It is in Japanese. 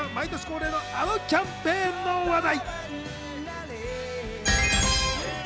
続いては毎年恒例のあのキャンペーンの話題。